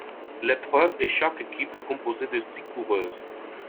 L'épreuve est Chaque équipe est composée de six coureuses.